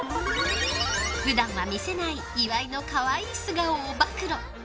普段は見せない岩井の可愛い素顔を暴露。